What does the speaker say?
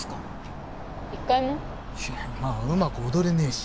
まあうまく踊れねえし。